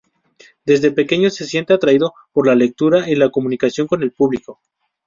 Desde pequeño se siente atraído por la lectura y la comunicación con el público.